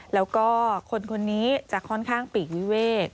แล้วก็คนคนนี้จะค่อนข้างปีกวิเวก